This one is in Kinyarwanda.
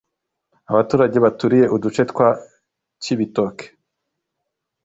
Abaturage baturiye uduce twa Cibitoke